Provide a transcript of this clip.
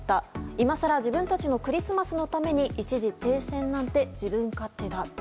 いまさら自分たちのクリスマスのために一時停戦なんて自分勝手だ。